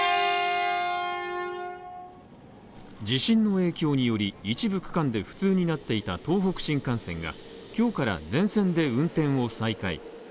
地震の影響により一部区間で不通になっていた東北新幹線が今日から全線で運転を再開。